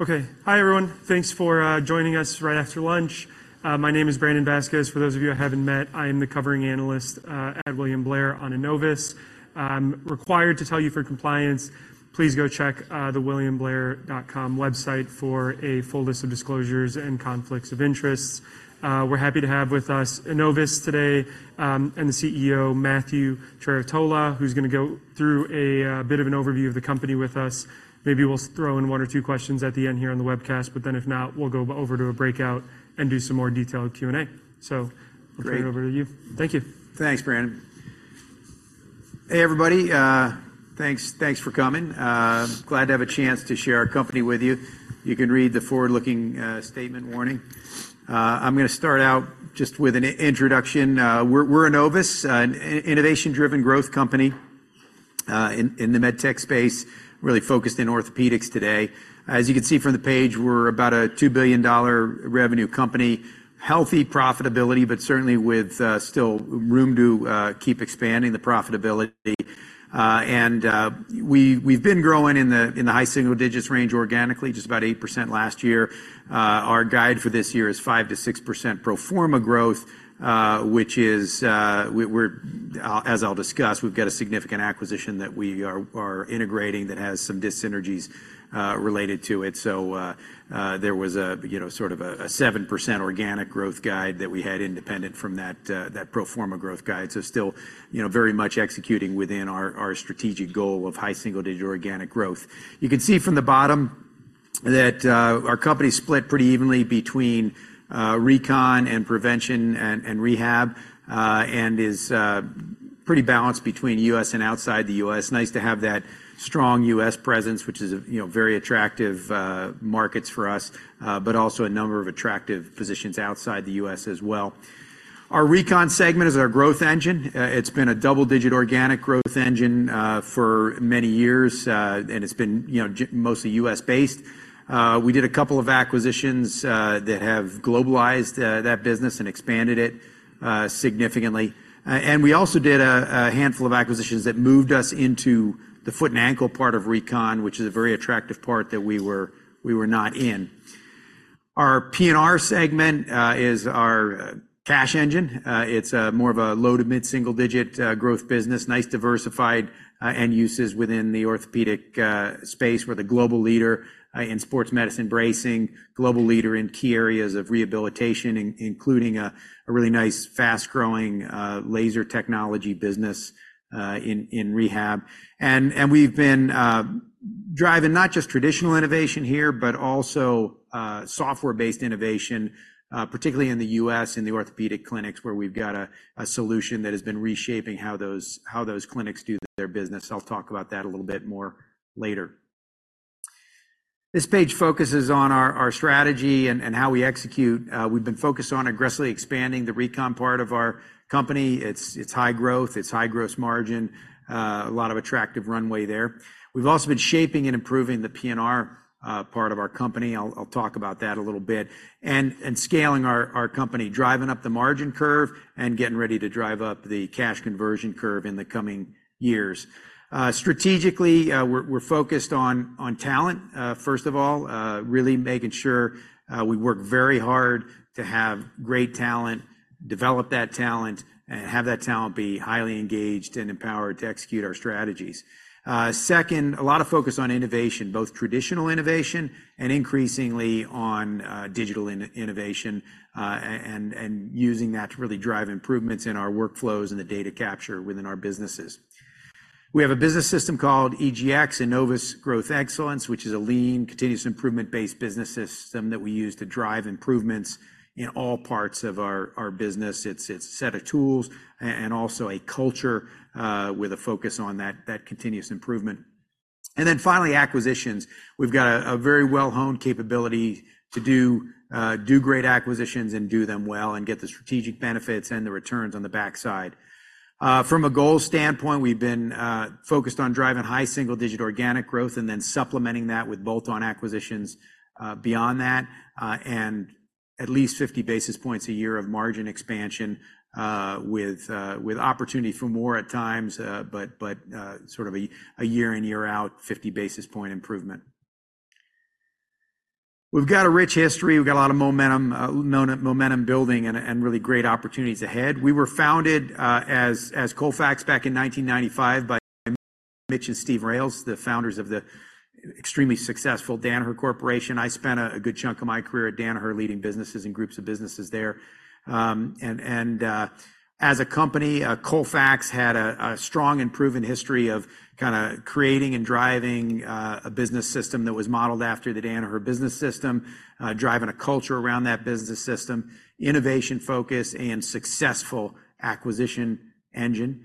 Okay. Hi, everyone. Thanks for joining us right after lunch. My name is Brandon Vazquez. For those of you I haven't met, I am the covering analyst at William Blair on Enovis. I'm required to tell you for compliance, please go check the williamblair.com website for a full list of disclosures and conflicts of interests. We're happy to have with us Enovis today, and the CEO, Matthew Trerotola, who's gonna go through a bit of an overview of the company with us. Maybe we'll throw in one or two questions at the end here on the webcast, but then if not, we'll go over to a breakout and do some more detailed Q&A. So- Great. Over to you. Thank you. Thanks, Brandon. Hey, everybody, thanks, thanks for coming. Glad to have a chance to share our company with you. You can read the forward-looking statement warning. I'm gonna start out just with an introduction. We're Enovis, an innovation-driven growth company in the med tech space, really focused in orthopedics today. As you can see from the page, we're about a $2 billion revenue company, healthy profitability, but certainly with still room to keep expanding the profitability. And we've been growing in the high single digits range organically, just about 8% last year. Our guide for this year is 5%-6% pro forma growth, which is—we're, as I'll discuss, we've got a significant acquisition that we are integrating that has some dyssynergies related to it. So, there was a, you know, sort of a seven percent organic growth guide that we had independent from that, that pro forma growth guide. So still, you know, very much executing within our strategic goal of high single-digit organic growth. You can see from the bottom that, our company is split pretty evenly between recon and prevention and rehab, and is pretty balanced between U.S and outside the U.S. Nice to have that strong U.S. presence, which is, you know, very attractive markets for us, but also a number of attractive positions outside the U.S. as well. Our Recon segment is our growth engine. It's been a double-digit organic growth engine for many years, and it's been, you know, mostly U.S.-based. We did a couple of acquisitions that have globalized that business and expanded it significantly. And we also did a handful of acquisitions that moved us into the foot and ankle part of Recon, which is a very attractive part that we were not in. Our P&R segment is our cash engine. It's more of a low to mid-single-digit growth business. Nice, diversified end uses within the orthopedic space. We're the global leader in sports medicine bracing, global leader in key areas of rehabilitation, including a really nice, fast-growing laser technology business in rehab. And we've been driving not just traditional innovation here, but also software-based innovation, particularly in the U.S., in the orthopedic clinics, where we've got a solution that has been reshaping how those clinics do their business. I'll talk about that a little bit more later. This page focuses on our strategy and how we execute. We've been focused on aggressively expanding the recon part of our company. It's high growth, it's high gross margin, a lot of attractive runway there. We've also been shaping and improving the P&R part of our company. I'll talk about that a little bit, and scaling our company, driving up the margin curve and getting ready to drive up the cash conversion curve in the coming years. Strategically, we're focused on talent. First of all, really making sure we work very hard to have great talent, develop that talent, and have that talent be highly engaged and empowered to execute our strategies. Second, a lot of focus on innovation, both traditional innovation and increasingly on digital innovation, and using that to really drive improvements in our workflows and the data capture within our businesses. We have a business system called EGX, Enovis Growth Excellence, which is a lean, continuous, improvement-based business system that we use to drive improvements in all parts of our business. It's a set of tools and also a culture with a focus on that continuous improvement. And then finally, acquisitions. We've got a very well-honed capability to do great acquisitions and do them well and get the strategic benefits and the returns on the backside. From a goal standpoint, we've been focused on driving high single-digit organic growth and then supplementing that with bolt-on acquisitions beyond that, and at least 50 basis points a year of margin expansion, with opportunity for more at times, but sort of a year in, year out, 50 basis point improvement. We've got a rich history. We've got a lot of momentum, momentum building and really great opportunities ahead. We were founded as Colfax back in 1995 by Mitch and Steve Rales, the founders of the extremely successful Danaher Corporation. I spent a good chunk of my career at Danaher, leading businesses and groups of businesses there. And as a company, Colfax had a strong and proven history of kinda creating and driving a business system that was modeled after the Danaher business system, driving a culture around that business system, innovation focus, and successful acquisition engine.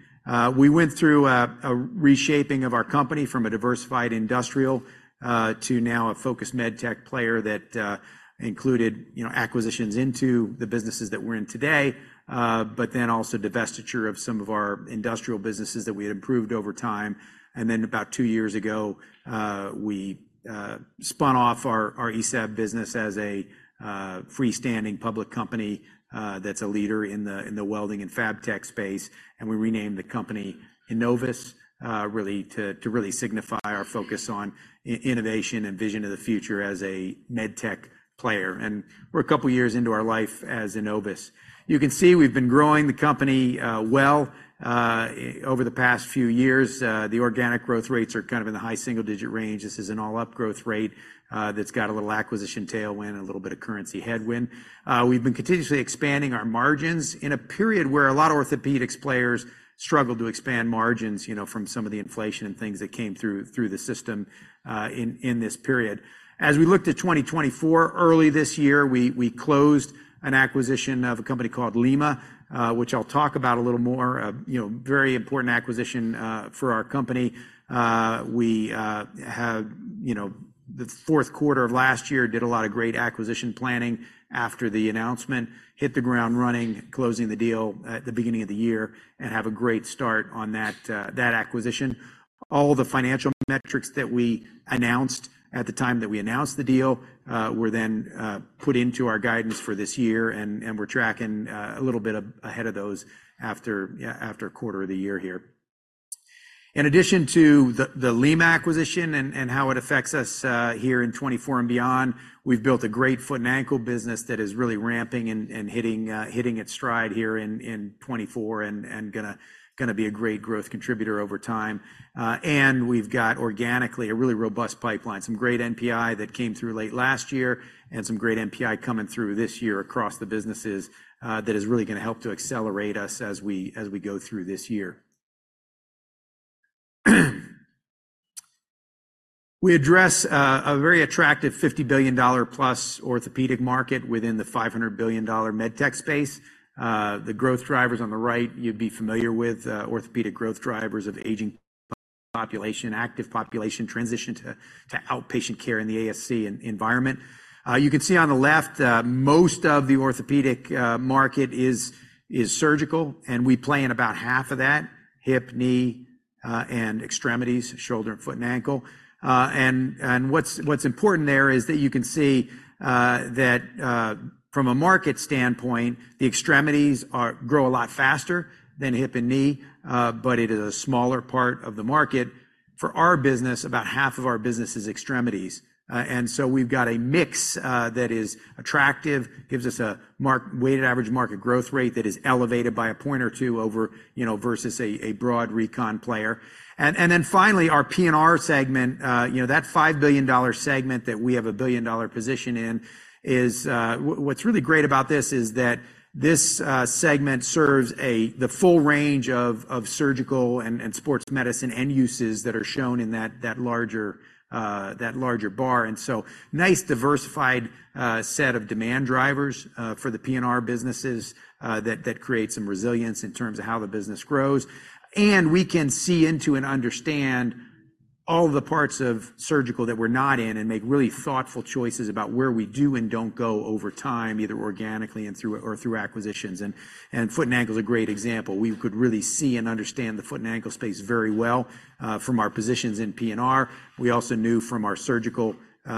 We went through a reshaping of our company from a diversified industrial to now a focused med tech player that included, you know, acquisitions into the businesses that we're in today, but then also divestiture of some of our industrial businesses that we had improved over time. Then about two years ago, we spun off our ESAB business as a freestanding public company that's a leader in the welding and fab tech space, and we renamed the company Enovis, really to really signify our focus on innovation and vision of the future as a med tech player. We're a couple of years into our life as Enovis. You can see we've been growing the company, well, over the past few years. The organic growth rates are kind of in the high single-digit range. This is an all-up growth rate, that's got a little acquisition tailwind and a little bit of currency headwind. We've been continuously expanding our margins in a period where a lot of orthopedics players struggled to expand margins, you know, from some of the inflation and things that came through, through the system, in this period. As we looked at 2024, early this year, we closed an acquisition of a company called Lima, which I'll talk about a little more. You know, very important acquisition, for our company. We have, you know, the fourth quarter of last year, did a lot of great acquisition planning after the announcement, hit the ground running, closing the deal at the beginning of the year, and have a great start on that acquisition. All the financial metrics that we announced at the time that we announced the deal were then put into our guidance for this year, and we're tracking a little bit ahead of those after, yeah, after a quarter of the year here. In addition to the Lima acquisition and how it affects us here in 2024 and beyond, we've built a great foot and ankle business that is really ramping and hitting its stride here in 2024 and gonna be a great growth contributor over time. We've got organically a really robust pipeline, some great NPI that came through late last year and some great NPI coming through this year across the businesses, that is really gonna help to accelerate us as we go through this year. We address a very attractive $50 billion+ orthopedic market within the $500 billion med tech space. The growth drivers on the right, you'd be familiar with, orthopedic growth drivers of aging population, active population, transition to outpatient care in the ASC environment. You can see on the left, most of the orthopedic market is surgical, and we play in about half of that, hip, knee, and extremities, shoulder and foot and ankle. And what's important there is that you can see that from a market standpoint, the extremities grow a lot faster than hip and knee, but it is a smaller part of the market. For our business, about half of our business is extremities. And so we've got a mix that is attractive, gives us a market-weighted average market growth rate that is elevated by a point or two over, you know, versus a broad recon player. And then finally, our P&R segment, you know, that $5 billion segment that we have a $1 billion position in, is. What's really great about this is that this segment serves the full range of surgical and sports medicine end uses that are shown in that larger bar. And so nice diversified set of demand drivers for the P&R businesses that create some resilience in terms of how the business grows. And we can see into and understand all the parts of surgical that we're not in and make really thoughtful choices about where we do and don't go over time, either organically or through acquisitions. And foot and ankle is a great example. We could really see and understand the foot and ankle space very well from our positions in P&R. We also knew from our surgical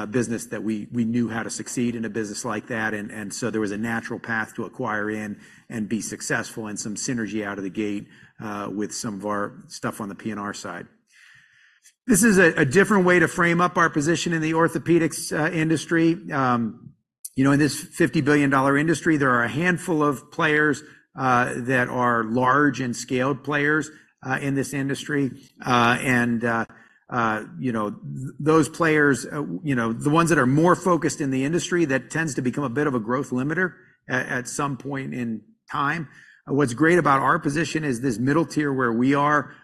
business that we knew how to succeed in a business like that. And so there was a natural path to acquire in and be successful and some synergy out of the gate with some of our stuff on the P&R side. This is a different way to frame up our position in the orthopedics industry. You know, in this $50 billion industry, there are a handful of players that are large and scaled players in this industry. You know, those players, you know, the ones that are more focused in the industry, that tends to become a bit of a growth limiter at some point in time. What's great about our position is this middle tier where we are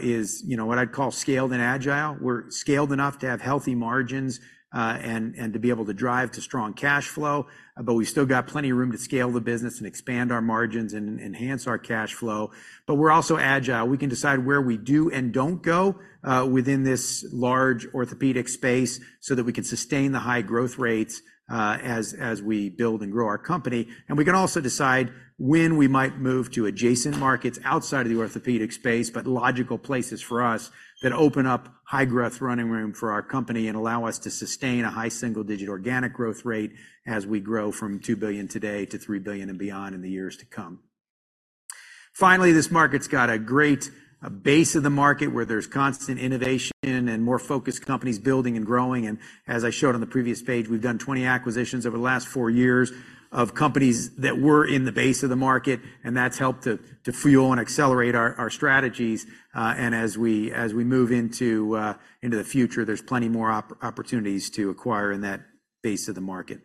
is, you know, what I'd call scaled and agile. We're scaled enough to have healthy margins and to be able to drive to strong cash flow, but we still got plenty of room to scale the business and expand our margins and enhance our cash flow. But we're also agile. We can decide where we do and don't go within this large orthopedic space so that we can sustain the high growth rates as we build and grow our company. And we can also decide when we might move to adjacent markets outside of the orthopedic space, but logical places for us that open up high growth running room for our company and allow us to sustain a high single-digit organic growth rate as we grow from $2 billion today to $3 billion and beyond in the years to come. Finally, this market's got a great base of the market, where there's constant innovation and more focused companies building and growing. As I showed on the previous page, we've done 20 acquisitions over the last four years of companies that were in the base of the market, and that's helped to fuel and accelerate our strategies. And as we move into the future, there's plenty more opportunities to acquire in that base of the market.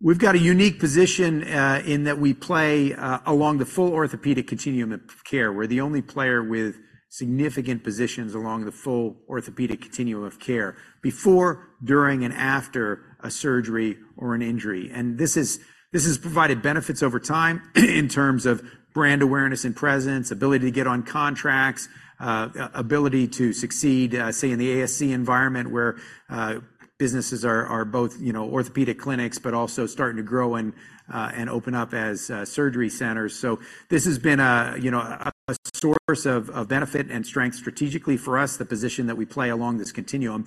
We've got a unique position in that we play along the full orthopedic continuum of care. We're the only player with significant positions along the full orthopedic continuum of care before, during, and after a surgery or an injury. This is, this has provided benefits over time in terms of brand awareness and presence, ability to get on contracts, ability to succeed, say, in the ASC environment, where businesses are both, you know, orthopedic clinics, but also starting to grow and open up as surgery centers. This has been a, you know, a source of benefit and strength strategically for us, the position that we play along this continuum.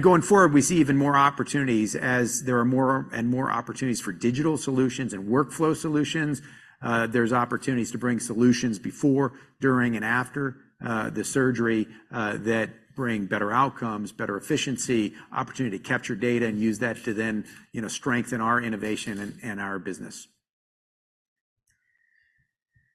Going forward, we see even more opportunities as there are more and more opportunities for digital solutions and workflow solutions. There's opportunities to bring solutions before, during, and after the surgery that bring better outcomes, better efficiency, opportunity to capture data and use that to then, you know, strengthen our innovation and our business.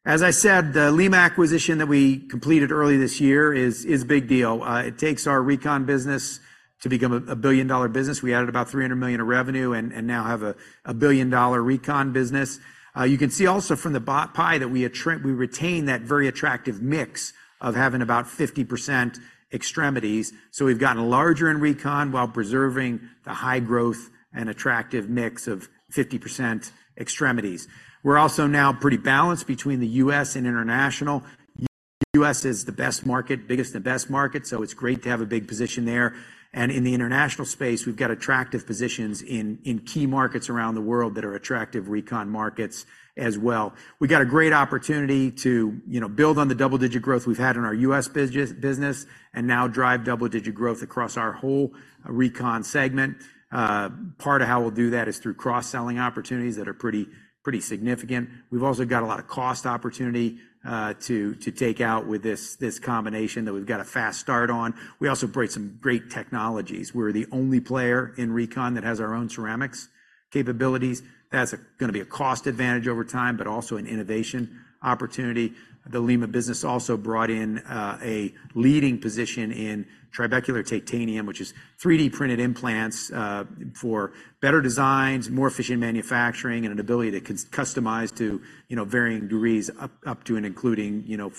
As I said, the Lima acquisition that we completed early this year is a big deal. It takes our recon business to become a billion-dollar business. We added about $300 million of revenue and now have a billion-dollar recon business. You can see also from the bottom pie that we retain that very attractive mix of having about 50% extremities. So we've gotten larger in recon while preserving the high growth and attractive mix of 50% extremities. We're also now pretty balanced between the U.S and international. U.S is the best market, biggest and the best market, so it's great to have a big position there. And in the international space, we've got attractive positions in key markets around the world that are attractive recon markets as well. We got a great opportunity to, you know, build on the double-digit growth we've had in our US business, and now drive double-digit growth across our whole recon segment. Part of how we'll do that is through cross-selling opportunities that are pretty, pretty significant. We've also got a lot of cost opportunity to take out with this combination that we've got a fast start on. We also bring some great technologies. We're the only player in recon that has our own ceramics capabilities. That's gonna be a cost advantage over time, but also an innovation opportunity. The Lima business also brought in a leading position in Trabecular Titanium, which is 3D-printed implants for better designs, more efficient manufacturing, and an ability to customize to, you know, varying degrees up to and including, you know,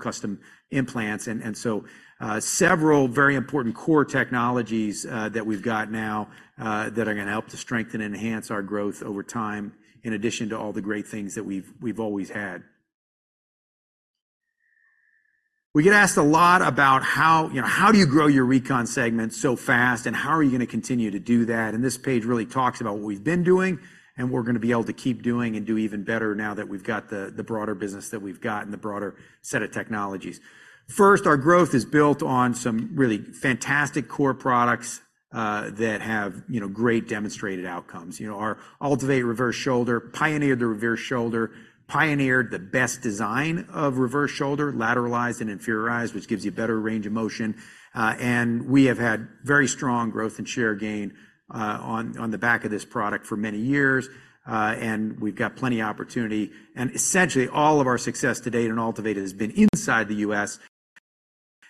full custom implants. Several very important core technologies that we've got now that are gonna help to strengthen and enhance our growth over time, in addition to all the great things that we've always had. We get asked a lot about how, you know, how do you grow your Recon segment so fast, and how are you gonna continue to do that? This page really talks about what we've been doing, and we're gonna be able to keep doing and do even better now that we've got the broader business that we've got and the broader set of technologies. First, our growth is built on some really fantastic core products that have, you know, great demonstrated outcomes. You know, our AltiVate Reverse shoulder pioneered the reverse shoulder, pioneered the best design of reverse shoulder, lateralized and inferiorized, which gives you a better range of motion. And we have had very strong growth and share gain, on the back of this product for many years, and we've got plenty of opportunity. And essentially, all of our success to date in AltiVate has been inside the U.S.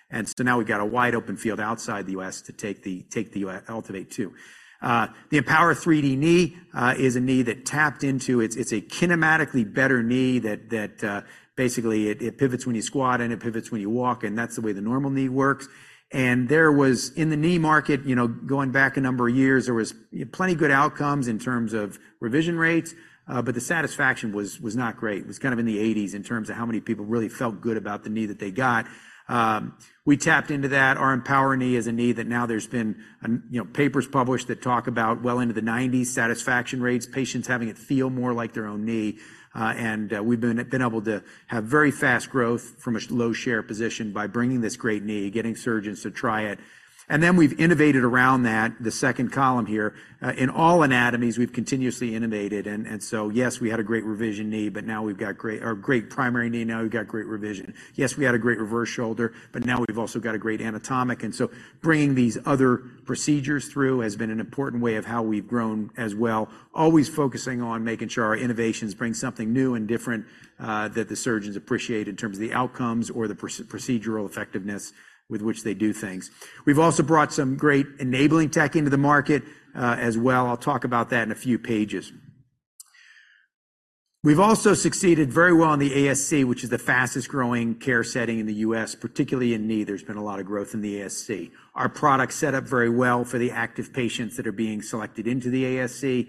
And so now we've got a wide open field outside the U.S. to take the AltiVate too. The EMPOWR 3D Knee is a knee that tapped into... It's a kinematically better knee that basically it pivots when you squat and it pivots when you walk, and that's the way the normal knee works. There was, in the knee market, you know, going back a number of years, there was plenty of good outcomes in terms of revision rates, but the satisfaction was not great. It was kind of in the eighties in terms of how many people really felt good about the knee that they got. We tapped into that. Our EMPOWR knee is a knee that now there's been, you know, papers published that talk about well into the nineties, satisfaction rates, patients having it feel more like their own knee. And we've been able to have very fast growth from a low share position by bringing this great knee, getting surgeons to try it. And then we've innovated around that, the second column here. In all anatomies, we've continuously innovated. So, yes, we had a great revision knee, but now we've got great primary knee, now we've got great revision. Yes, we had a great reverse shoulder, but now we've also got a great anatomic. So bringing these other procedures through has been an important way of how we've grown as well. Always focusing on making sure our innovations bring something new and different, that the surgeons appreciate in terms of the outcomes or the procedural effectiveness with which they do things. We've also brought some great enabling tech into the market, as well. I'll talk about that in a few pages. We've also succeeded very well in the ASC, which is the fastest-growing care setting in the U.S., particularly in knee. There's been a lot of growth in the ASC. Our product set up very well for the active patients that are being selected into the ASC.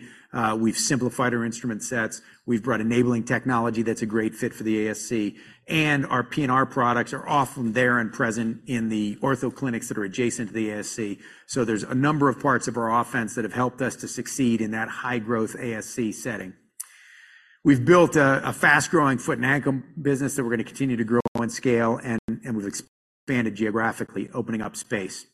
We've simplified our instrument sets. We've brought enabling technology that's a great fit for the ASC, and our P&R products are often there and present in the ortho clinics that are adjacent to the ASC. So there's a number of parts of our offense that have helped us to succeed in that high-growth ASC setting. We've built a fast-growing foot and ankle business that we're gonna continue to grow and scale, and we've expanded geographically, opening up space.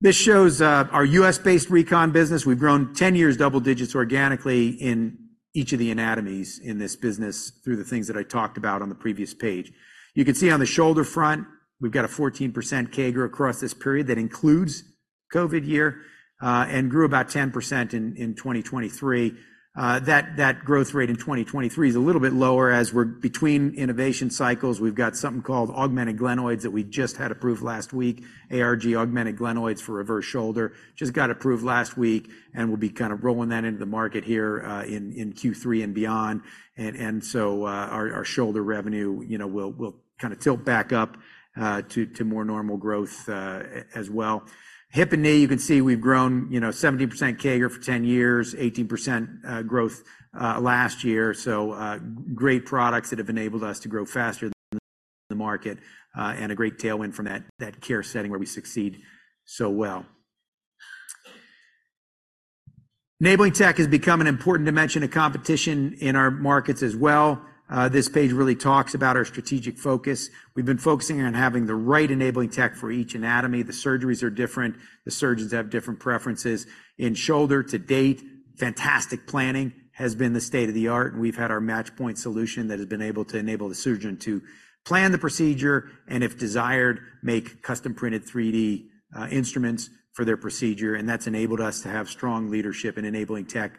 This shows our U.S.-based recon business. We've grown 10 years double digits organically in each of the anatomies in this business through the things that I talked about on the previous page. You can see on the shoulder front, we've got a 14% CAGR across this period. That includes COVID year, and grew about 10% in 2023. That growth rate in 2023 is a little bit lower as we're between innovation cycles. We've got something called augmented glenoids that we just had approved last week, ARG, augmented glenoids for reverse shoulder. Just got approved last week, and we'll be kind of rolling that into the market here in Q3 and beyond. And so, our shoulder revenue, you know, will kinda tilt back up to more normal growth as well. Hip and knee, you can see we've grown, you know, 17% CAGR for 10 years, 18% growth last year. So, great products that have enabled us to grow faster than the market, and a great tailwind from that care setting where we succeed so well. Enabling tech has become an important dimension of competition in our markets as well. This page really talks about our strategic focus. We've been focusing on having the right enabling tech for each anatomy. The surgeries are different. The surgeons have different preferences. In shoulder to date, fantastic planning has been the state-of-the-art. We've had our MatchPoint solution that has been able to enable the surgeon to plan the procedure and if desired, make custom-printed 3D instruments for their procedure, and that's enabled us to have strong leadership in enabling tech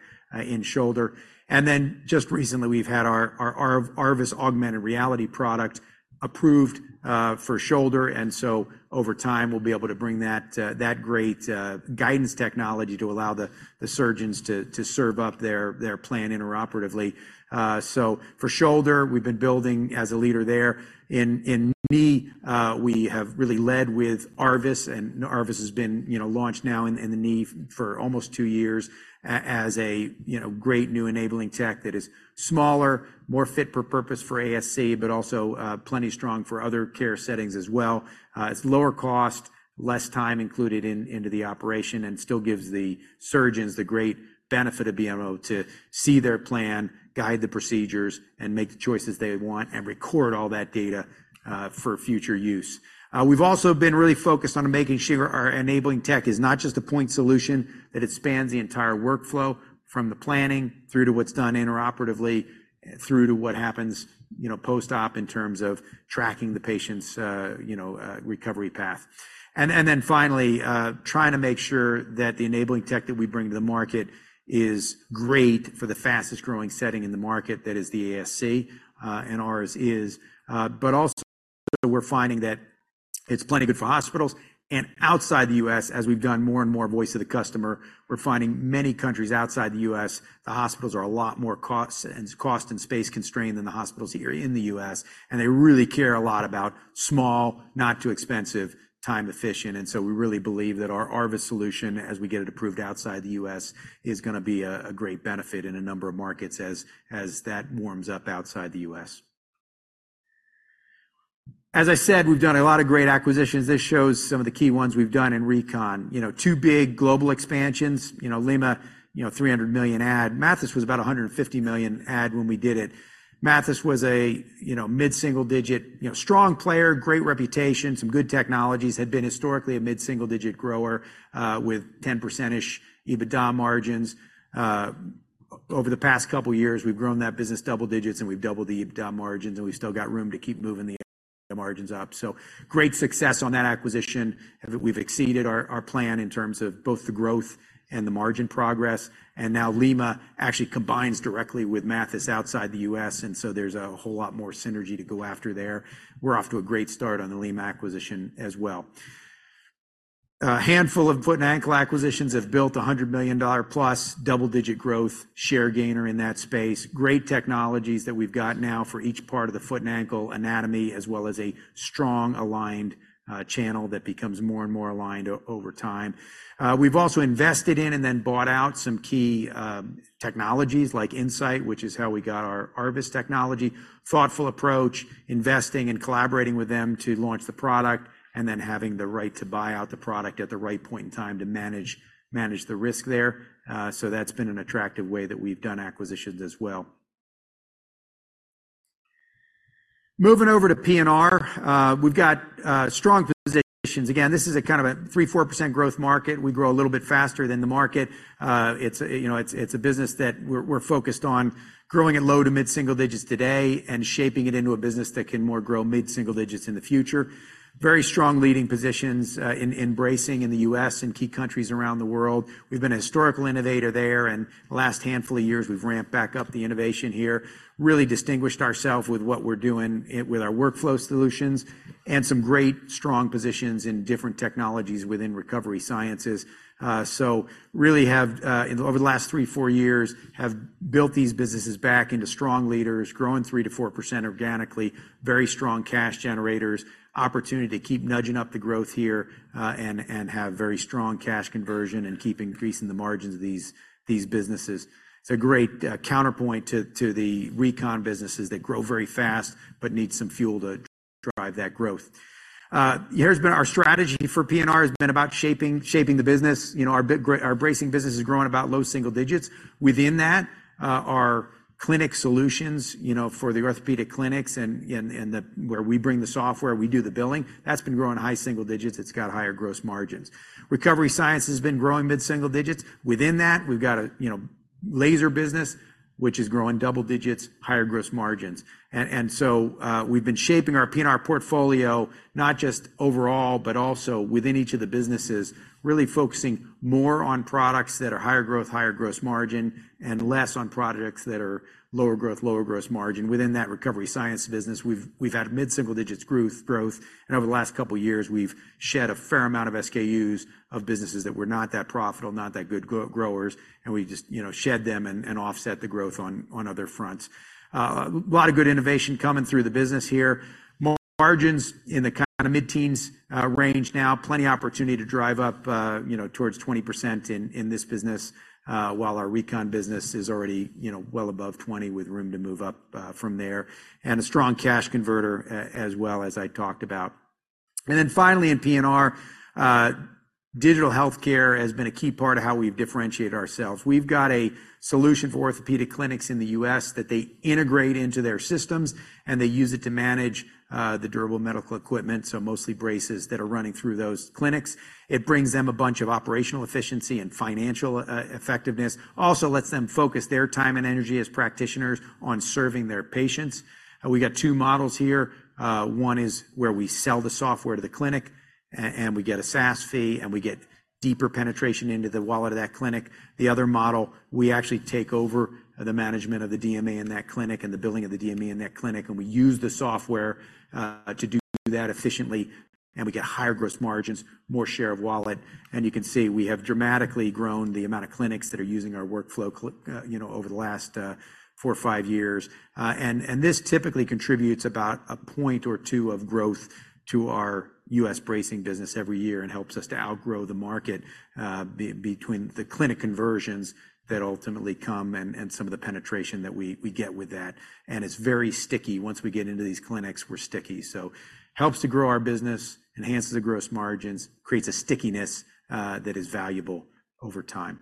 in shoulder. And then just recently, we've had our ARVIS augmented reality product approved for shoulder, and so over time, we'll be able to bring that great guidance technology to allow the surgeons to serve up their plan interoperatively. So for shoulder, we've been building as a leader there. In knee, we have really led with ARVIS, and ARVIS has been, you know, launched now in the knee for almost two years as a, you know, great new enabling tech that is smaller, more fit per purpose for ASC, but also plenty strong for other care settings as well. It's lower cost, less time included into the operation and still gives the surgeons the great benefit of being able to see their plan, guide the procedures, and make the choices they want, and record all that data for future use. We've also been really focused on making sure our enabling tech is not just a point solution, that it spans the entire workflow from the planning through to what's done intraoperatively, through to what happens, you know, post-op in terms of tracking the patient's, you know, recovery path. And then finally, trying to make sure that the enabling tech that we bring to the market is great for the fastest-growing setting in the market, that is the ASC, and ours is. But also, we're finding that it's plenty good for hospitals and outside the U.S, as we've done more and more voice of the customer, we're finding many countries outside the U.S, the hospitals are a lot more cost- and space-constrained than the hospitals here in the U.S, and they really care a lot about small, not-too-expensive, time-efficient. We really believe that our ARVIS solution, as we get it approved outside the U.S, is gonna be a great benefit in a number of markets as that warms up outside the U.S. As I said, we've done a lot of great acquisitions. This shows some of the key ones we've done in Recon. You know, two big global expansions. You know, Lima, you know, $300 million add. Mathys was about a $150 million add when we did it. Mathys was a, you know, mid-single digit, you know, strong player, great reputation, some good technologies, had been historically a mid-single digit grower with 10% EBITDA margins. Over the past couple of years, we've grown that business double digits, and we've doubled the EBITDA margins, and we still got room to keep moving the margins up. So great success on that acquisition. We've exceeded our plan in terms of both the growth and the margin progress, and now Lima actually combines directly with Mathys outside the U.S, and so there's a whole lot more synergy to go after there. We're off to a great start on the Lima acquisition as well. A handful of foot and ankle acquisitions have built a $100 million-plus double-digit growth share gainer in that space. Great technologies that we've got now for each part of the foot and ankle anatomy, as well as a strong, aligned channel that becomes more and more aligned over time. We've also invested in and then bought out some key technologies like Insight, which is how we got our ARVIS technology, thoughtful approach, investing and collaborating with them to launch the product, and then having the right to buy out the product at the right point in time to manage the risk there. So that's been an attractive way that we've done acquisitions as well. Moving over to PNR, we've got strong positions. Again, this is a kind of a 3%-4% growth market. We grow a little bit faster than the market. It's a, you know, it's a business that we're focused on growing at low to mid single digits today and shaping it into a business that can more grow mid single digits in the future. Very strong leading positions in bracing in the U.S. and key countries around the world. We've been a historical innovator there, and the last handful of years, we've ramped back up the innovation here, really distinguished ourselves with what we're doing with our workflow solutions and some great strong positions in different technologies within recovery sciences. So really have over the last three-four years, have built these businesses back into strong leaders, growing 3%-4% organically, very strong cash generators, opportunity to keep nudging up the growth here, and have very strong cash conversion and keep increasing the margins of these businesses. It's a great counterpoint to the Recon businesses that grow very fast but need some fuel to drive that growth. Here has been our strategy for P&R, has been about shaping the business. You know, our bracing business is growing about low single digits. Within that, our clinic solutions, you know, for the orthopedic clinics and where we bring the software, we do the billing, that's been growing high single digits. It's got higher gross margins. Recovery science has been growing mid-single digits. Within that, we've got a you know, laser business which is growing double digits, higher gross margins. And so, we've been shaping our P&R portfolio, not just overall, but also within each of the businesses, really focusing more on products that are higher growth, higher gross margin, and less on products that are lower growth, lower gross margin. Within that recovery science business, we've had mid-single digits growth, and over the last couple of years, we've shed a fair amount of SKUs of businesses that were not that profitable, not that good growers, and we just, you know, shed them and offset the growth on other fronts. A lot of good innovation coming through the business here. Margins in the kinda mid-teens range now, plenty opportunity to drive up, you know, towards 20% in this business, while our recon business is already, you know, well above 20% with room to move up from there, and a strong cash converter, as well, as I talked about. And then finally, in PNR, digital healthcare has been a key part of how we've differentiated ourselves. We've got a solution for orthopedic clinics in the US that they integrate into their systems, and they use it to manage the durable medical equipment, so mostly braces that are running through those clinics. It brings them a bunch of operational efficiency and financial effectiveness. Also lets them focus their time and energy as practitioners on serving their patients. We got two models here. One is where we sell the software to the clinic, and we get a SaaS fee, and we get deeper penetration into the wallet of that clinic. The other model, we actually take over the management of the DME in that clinic and the billing of the DME in that clinic, and we use the software to do that efficiently, and we get higher gross margins, more share of wallet. You can see, we have dramatically grown the amount of clinics that are using our workflow clinic, you know, over the last four or five years. And this typically contributes about a point or two of growth to our U.S. bracing business every year and helps us to outgrow the market, between the clinic conversions that ultimately come and some of the penetration that we get with that. It's very sticky. Once we get into these clinics, we're sticky. So helps to grow our business, enhances the gross margins, creates a stickiness that is valuable over time.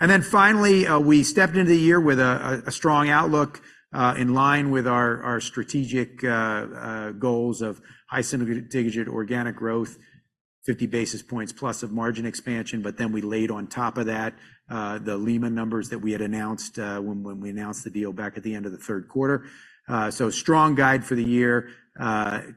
Then finally, we stepped into the year with a strong outlook in line with our strategic goals of high single-digit organic growth, 50 basis points plus of margin expansion. But then we laid on top of that, the Lima numbers that we had announced, when we announced the deal back at the end of the third quarter. So strong guide for the year,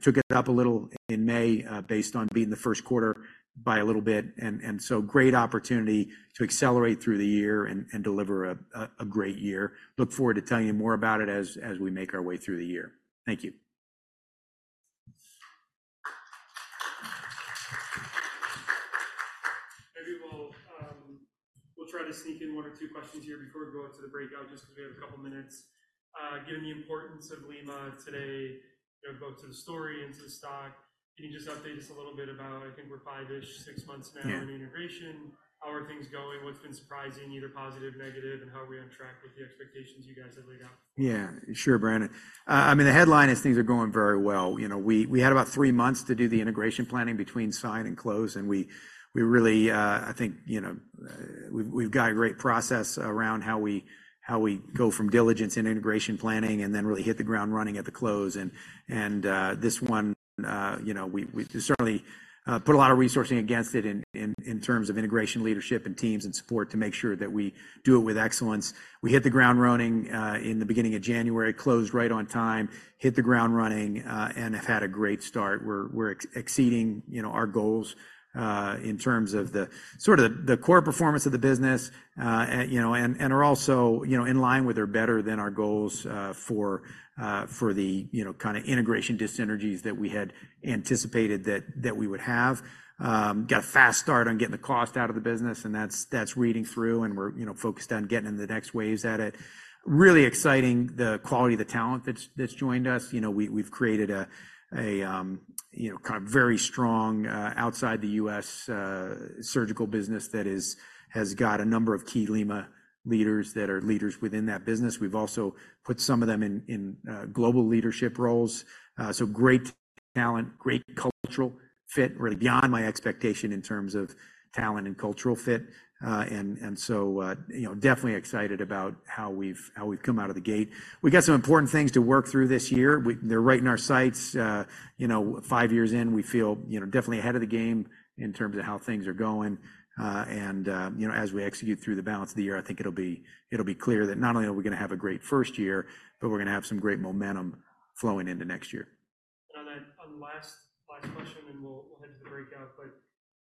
took it up a little in May, based on beating the first quarter by a little bit. And so great opportunity to accelerate through the year and deliver a great year. Look forward to telling you more about it as we make our way through the year. Thank you. Maybe we'll, we'll try to sneak in one or two questions here before we go out to the breakout, just because we have a couple of minutes. Given the importance of Lima today, you know, both to the story and to the stock, can you just update us a little bit about, I think we're five-ish, six months now- Yeah. - in the integration. How are things going? What's been surprising, either positive, negative, and how are we on track with the expectations you guys had laid out? Yeah, sure, Brandon. I mean, the headline is things are going very well. You know, we had about three months to do the integration planning between sign and close, and we really, I think, you know, we've got a great process around how we go from diligence and integration planning and then really hit the ground running at the close. And this one, you know, we certainly put a lot of resourcing against it in terms of integration, leadership, and teams and support to make sure that we do it with excellence. We hit the ground running in the beginning of January, closed right on time, hit the ground running, and have had a great start. We're exceeding, you know, our goals in terms of the sort of the core performance of the business. And, you know, are also, you know, in line with or better than our goals for the, you know, kind of integration dyssynergies that we had anticipated that we would have. Got a fast start on getting the cost out of the business, and that's reading through, and we're, you know, focused on getting in the next waves at it. Really exciting, the quality of the talent that's joined us. You know, we've created a, you know, kind of very strong outside the U.S surgical business that has got a number of key Lima leaders that are leaders within that business. We've also put some of them in global leadership roles. So great talent, great cultural fit, really beyond my expectation in terms of talent and cultural fit. And so, you know, definitely excited about how we've come out of the gate. We got some important things to work through this year. They're right in our sights. You know, five years in, we feel, you know, definitely ahead of the game in terms of how things are going. And, you know, as we execute through the balance of the year, I think it'll be, it'll be clear that not only are we gonna have a great first year, but we're gonna have some great momentum flowing into next year. And on last question, and we'll head to the breakout.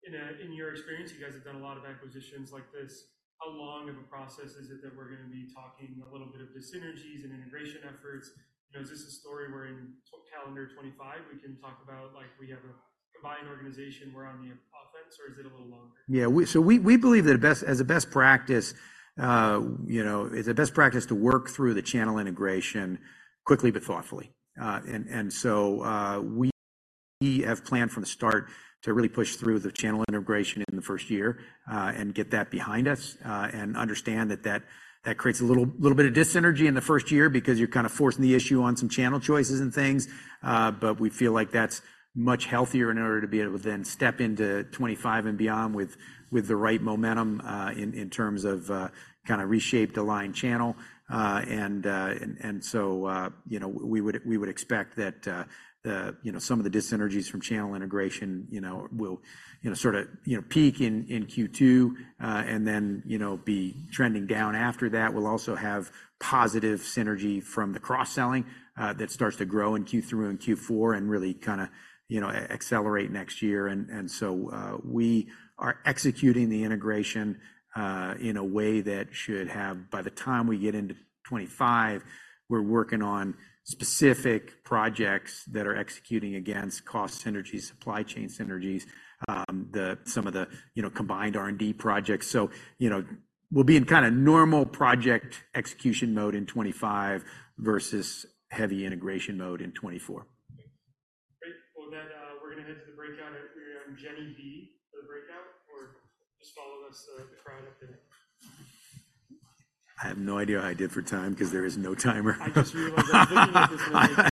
But in your experience, you guys have done a lot of acquisitions like this. How long of a process is it that we're gonna be talking a little bit of dyssynergies and integration efforts? You know, is this a story where in calendar 2025, we can talk about, like, we have a combined organization, we're on the offense, or is it a little longer? Yeah, we believe that the best as a best practice, you know, it's a best practice to work through the channel integration quickly but thoughtfully. And so, we have planned from the start to really push through the channel integration in the first year, and get that behind us, and understand that that creates a little bit of dyssynergy in the first year because you're kinda forcing the issue on some channel choices and things. But we feel like that's much healthier in order to be able to then step into 2025 and beyond with the right momentum, in terms of kinda reshaped align channel. And so, you know, we would expect that, you know, some of the dyssynergies from channel integration, you know, will, you know, sorta, you know, peak in Q2, and then, you know, be trending down after that. We'll also have positive synergy from the cross-selling that starts to grow in Q3 and Q4 and really kinda, you know, accelerate next year. And so, we are executing the integration in a way that should have by the time we get into 2025, we're working on specific projects that are executing against cost synergies, supply chain synergies, the some of the, you know, combined R&D projects. So, you know, we'll be in kinda normal project execution mode in 2025 versus heavy integration mode in 2024. Great. Well, then, we're gonna head to the breakout. We're on Jenner B for the breakout, or just follow us to the crowd up there. I have no idea how I did for time, 'cause there is no timer. I just realized that...